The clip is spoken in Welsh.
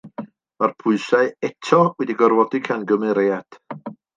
Mae'r pwysau eto wedi gorfodi camgymeriad.